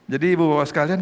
jadi ibu bapak sekalian